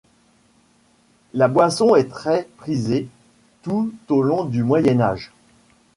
La boisson est très prisée tout au long du Moyen Âge.